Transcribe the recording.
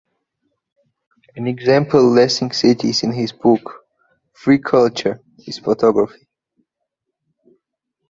An example Lessig cites in his book, "Free Culture", is photography.